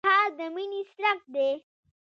سهار د مینې څرک دی.